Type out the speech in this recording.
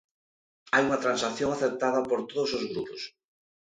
Hai unha transacción aceptada por todos os grupos.